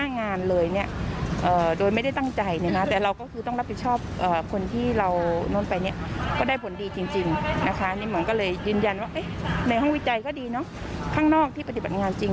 ในห้องวิจัยก็ดีข้างนอกที่ปฏิผัติงงานจริง